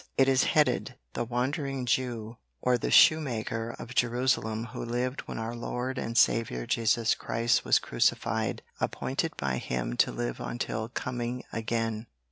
It is headed: "The Wandering Jew, or the Shoemaker of Jerusalem who lived when Our Lord and Saviour Jesus Christ was crucified appointed by Him to live until Coming again.